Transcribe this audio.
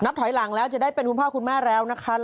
ถอยหลังแล้วจะได้เป็นคุณพ่อคุณแม่แล้วนะคะ